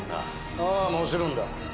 ああもちろんだ。